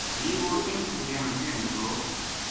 بھی وہ اِنھ سنگیاں نا کہن لگو